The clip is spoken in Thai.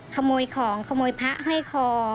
ขโมยของขโมยพระห้อยคอ